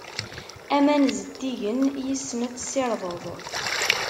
Aman zeddigen, yes-sen ad tsirdeḍ.